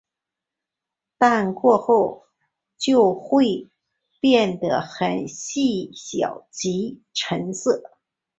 但过后就会变得较细小及沉色。